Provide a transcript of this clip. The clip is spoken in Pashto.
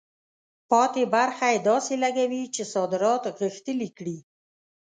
پاتې برخه یې داسې لګوي چې صادرات غښتلي کړي.